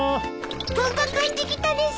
パパ帰ってきたです。